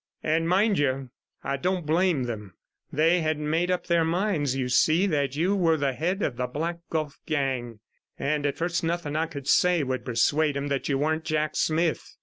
And, mind you, I don't blame them; they had made up their minds, you see, that you were the head of the Black Gulf gang, and at first nothing I could say would persuade them you weren't Jack Smith.